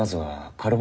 カルボ。